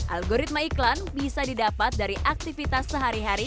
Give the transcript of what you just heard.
algoritma iklan bisa didapat dari aktivitas sehari hari